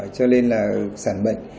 cho nên là sản bệnh